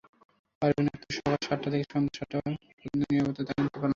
পারভীন আক্তার সকাল সাতটা থেকে সন্ধ্যা সাতটা পর্যন্ত নিরাপত্তার দায়িত্ব পালন করেন।